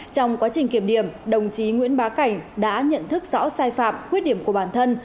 trong quá trình kiểm điểm đồng chí nguyễn bá cảnh đã nhận thức rõ sai phạm khuyết điểm của bản thân